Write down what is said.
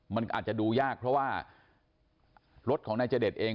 มันอาจจะดูยากเพราะว่ารถของนายเจดเอง